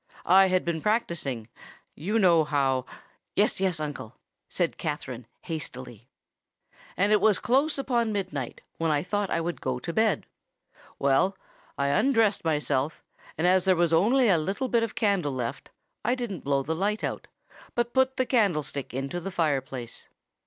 I had been practising—you know how——" "Yes—yes, uncle," said Katherine, hastily. "And it was close upon midnight, when I thought I would go to bed. Well—I undressed myself, and as there was only a little bit of candle left, I didn't blow the light out, but put the candlestick into the fire place.